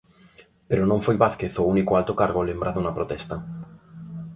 Pero non foi Vázquez o único alto cargo lembrado na protesta.